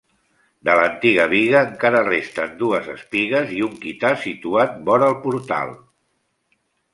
De l'antiga biga encara resten dues espigues i un quitar situat vora el portal.